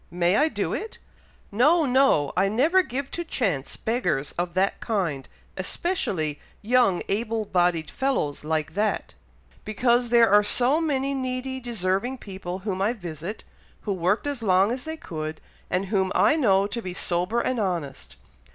May I do it?" "No! no! I never give to chance beggars of that kind, especially young able bodied fellows like that, because there are so many needy, deserving people whom I visit, who worked as long as they could, and whom I know to be sober and honest.